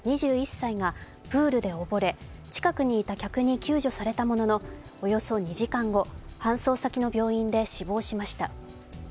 ２１歳がプールで溺れ近くにいた客に救助されたものの、およそ２時間後、搬送先の病院で死亡しました。